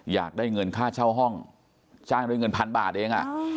อยากได้เงินค่าเช่าห้องจ้างด้วยเงินพันบาทเอง